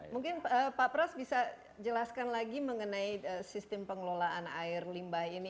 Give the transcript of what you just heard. mungkin pak pras bisa jelaskan lagi mengenai sistem pengelolaan air limbah ini